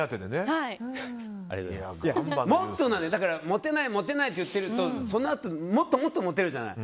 モテない、モテないって言ってるとそのあともっともっとモテるじゃない。